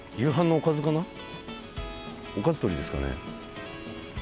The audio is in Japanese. おかず取りですかね。